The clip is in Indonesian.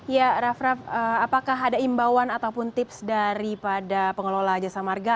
ya raff raff apakah ada imbauan ataupun tips daripada pengelola jasa marga